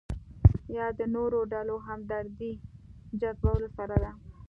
یا د نورو ډلو همدردۍ جذبولو سره ده.